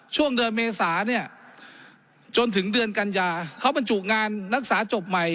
ช่วงเดือนเมษาเนี่ยจนถึงเดือนกันยาเขาบรรจุงานนักศึกษาจบใหม่